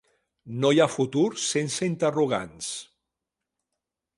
No hi ha futur sense interrogants.